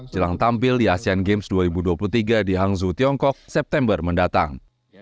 jelang tampil di asean games dua ribu dua puluh tiga di hangzhou tiongkok september mendatang